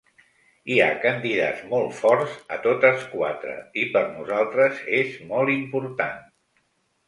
Hi ha candidats molt forts a totes quatre i per nosaltres és molt important.